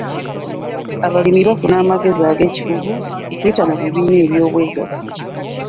Abalimi bafuna amagezi ag'ekikugu okuyita mu bibiina by'obwegassi.